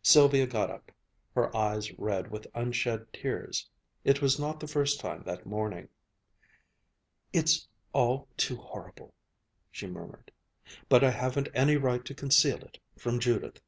Sylvia got up, her eyes red with unshed tears. It was not the first time that morning. "It's all too horrible," she murmured. "But I haven't any right to conceal it from Judith."